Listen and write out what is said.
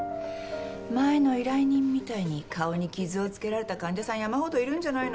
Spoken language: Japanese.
前の依頼人みたいに顔に傷を付けられた患者さん山ほどいるんじゃないの？